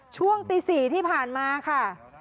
ช่วงตี๔ที่ผ่านมาค่ะ